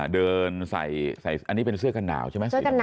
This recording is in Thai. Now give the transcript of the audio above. เดินใส่อันนี้เป็นเสื้อกันหนาวใช่มั้ย